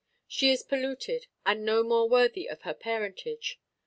She is polluted, and no more worthy of her parentage.